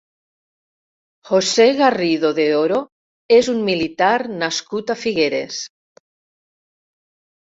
José Garrido de Oro és un militar nascut a Figueres.